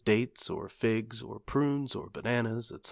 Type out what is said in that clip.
dates, or figs, or prunes, or bananas, etc.